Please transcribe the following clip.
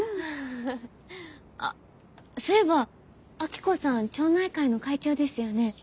あっそういえば明子さん町内会の会長ですよね。